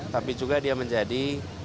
tapi juga dia menjadikan